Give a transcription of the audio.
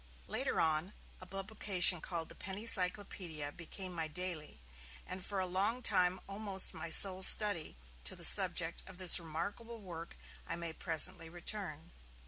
Later on, a publication called The Penny Cyclopaedia became my daily, and for a long time almost my sole study; to the subject of this remarkable work I may presently return.